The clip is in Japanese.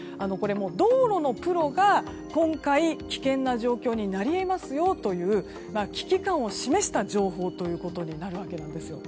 道路のプロが今回危険な状況になり得ますよと危機感を示した情報ということになるわけです。